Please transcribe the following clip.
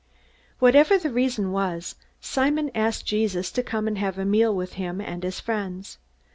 Whatever the reason was, Simon asked Jesus to come and have a meal with him and his friends.